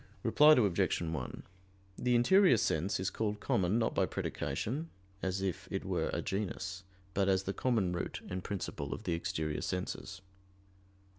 Reply Obj. 1: The interior sense is called "common" not by predication, as if it were a genus; but as the common root and principle of the exterior senses.